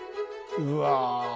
うわ！